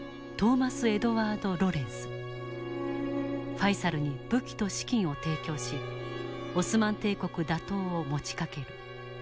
ファイサルに武器と資金を提供しオスマン帝国打倒を持ち掛ける。